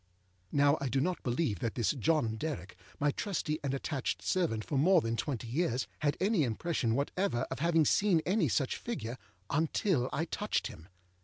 â Now I do not believe that this John Derrick, my trusty and attached servant for more than twenty years, had any impression whatever of having seen any such figure, until I touched him.